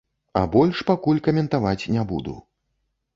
А больш пакуль каментаваць не буду.